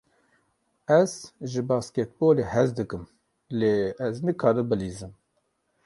Ez ji basketbolê hez dikim, lê ez nikarim bilîzim.